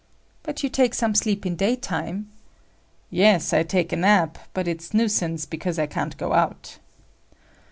"But you take some sleep in daytime." "Yes, I take a nap, but it's nuisance because I can't go out."